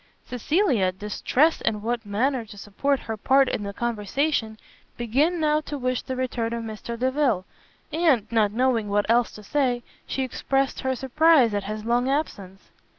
Cecilia, distressed in what manner to support her part in the conversation, began now to wish the return of Mr Delvile; and, not knowing what else to say, she expressed her surprise at his long absence.